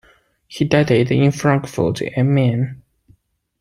He died in Frankfurt am Main.